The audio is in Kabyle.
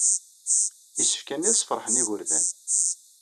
Isefka-nni ad sfeṛḥen igerdan.